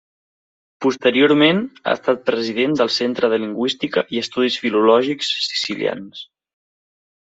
Posteriorment ha estat president del Centre de Lingüística i Estudis Filològics Sicilians.